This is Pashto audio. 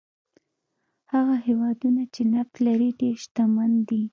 هغه هېوادونه چې نفت لري ډېر شتمن دي.